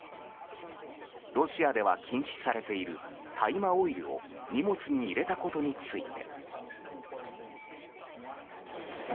ロシアでは禁止されている大麻オイルを荷物に入れたことについて。